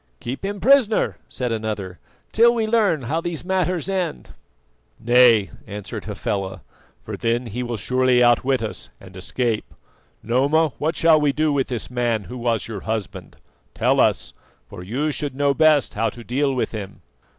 "Keep him prisoner," said another, "till we learn how these matters end." "Nay," answered Hafela, "for then he will surely outwit us and escape. Noma, what shall we do with this man who was your husband? Tell us, for you should know best how to deal with him."